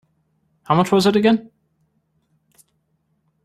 How much was it again?